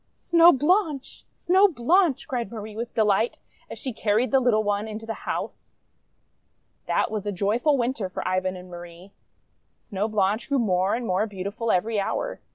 Snow Blanche! Snow Blanche!' cried Marie with delight as she carried the little one into the house. That was a joyful Winter for Ivan and Marie. Snow Blanche grew more and more beautiful every hour.